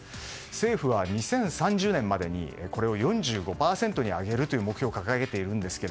政府は２０３０年までにこれを４５％に上げる目標を掲げているんですが